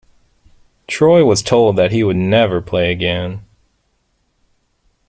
Troy was told that he would never play again.